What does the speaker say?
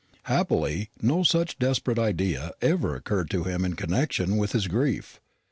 Happily no such desperate idea ever occurred to him in connection with his grief.